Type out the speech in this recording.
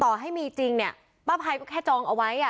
ต่อให้มีจริงเนี่ยป้าภัยก็แค่จองเอาไว้อ่ะ